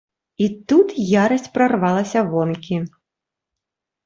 І тут ярасць прарвалася вонкі.